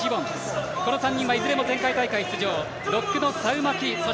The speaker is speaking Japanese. この３人はいずれも前回大会出場。